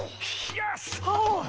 よし！